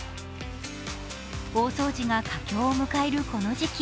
大掃除が佳境を迎えるこの時期。